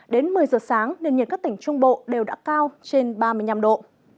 đến một mươi giờ sáng nền nhiệt các tỉnh trung bộ đều đã cao trên ba mươi năm độ